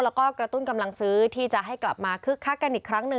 แล้วก็กระตุ้นกำลังซื้อที่จะให้กลับมาคึกคักกันอีกครั้งหนึ่ง